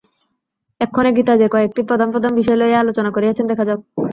এক্ষণে গীতা যে কয়েকটি প্রধান প্রধান বিষয় লইয়া আলোচনা করিয়াছেন, দেখা যাউক।